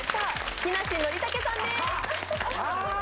木梨憲武さんです。